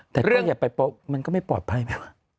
แต่ก็อย่าไปมันก็ไม่ปลอดภัยไหมวะ